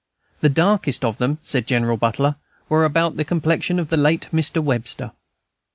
"The darkest of them," said General Butler, "were about the complexion of the late Mr. Webster."